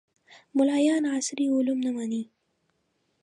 ملایان عصري علوم نه مني